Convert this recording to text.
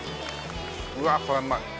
うわこりゃうまい。